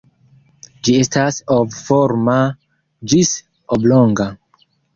Ĝi estas ov-forma ĝis oblonga.